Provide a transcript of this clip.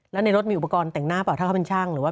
แล้วในรถมีอุปกรณ์แต่งหน้าเปล่าถ้าเขาเป็นช่างหรือว่า